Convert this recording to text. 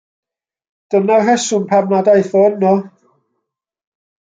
Dyna'r rheswm pam nad aeth o yno.